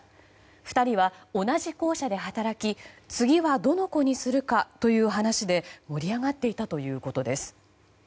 ２人は同じ校舎で働き次はどの子にするかという話で盛り上がっていたということです。